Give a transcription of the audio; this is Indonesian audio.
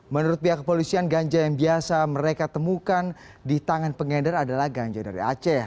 menurut pihak kepolisian ganja yang biasa mereka temukan di tangan pengedar adalah ganja dari aceh